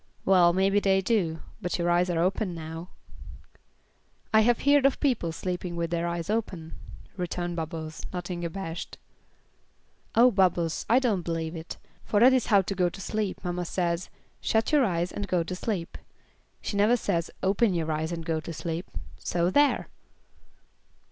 "Well, maybe they do, but your eyes are open now." "I have heerd of people sleepin' with their eyes open," returned Bubbles, nothing abashed. "O, Bubbles, I don't believe it; for that is how to go to sleep; mamma says, 'shut your eyes and go to sleep,' she never says, 'open your eyes and go to sleep;' so there!"